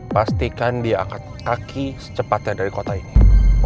pastikan dia akan kaki secepatnya dari kota ini